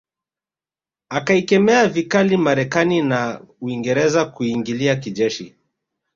Akaikemea vikali Marekani na na Uingereza kuiingilia kijeshi